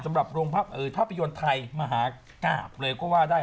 สำหรับภาพยนตร์ไทยมหากราบเลยก็ว่าได้